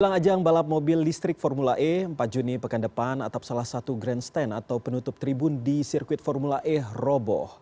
jelang ajang balap mobil listrik formula e empat juni pekan depan atap salah satu grandstand atau penutup tribun di sirkuit formula e roboh